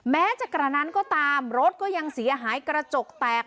แม้จะกระนั้นก็ตามรถก็ยังเสียหายกระจกแตก